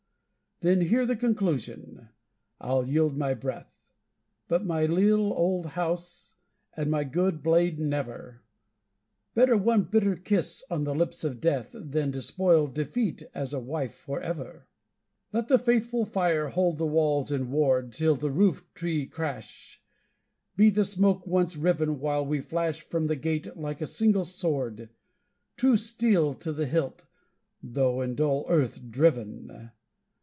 Then hear the conclusion: I'll yield my breath, But my leal old house and my good blade never! Better one bitter kiss on the lips of Death Than despoiled Defeat as a wife forever! Let the faithful fire hold the walls in ward Till the roof tree crash! Be the smoke once riven While we flash from the gate like a single sword, True steel to the hilt, though in dull earth driven!